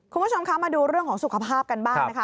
คุณผู้ชมคะมาดูเรื่องของสุขภาพกันบ้างนะคะ